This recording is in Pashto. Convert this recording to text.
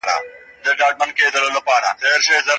سياستوالو له ډېر وخته د نفوذ پراخولو هڅه کوله.